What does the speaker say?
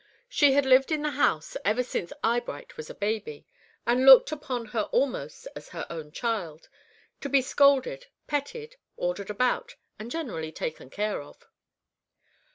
She had lived in the house ever since Eyebright was a baby, and looked upon her almost as her own child, to be scolded, petted, ordered about, and generally taken care of.